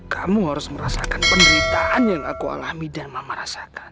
kamu harus merasakan penderitaan yang aku alami dan mama rasakan